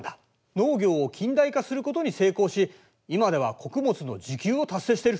農業を近代化することに成功し今では穀物の自給を達成している。